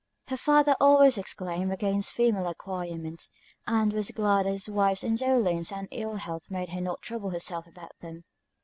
Her father always exclaimed against female acquirements, and was glad that his wife's indolence and ill health made her not trouble herself about them.